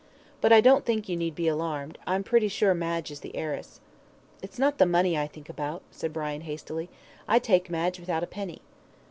But I don't think you need be alarmed, I'm pretty sure Madge is the heiress." "It's not the money I think about," said Brian, hastily. "I'd take Madge without a penny."